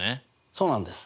そうなんです。